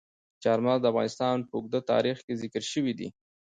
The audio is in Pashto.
چار مغز د افغانستان په اوږده تاریخ کې ذکر شوي دي.